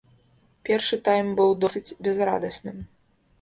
Першы тайм быў досыць бязрадасным.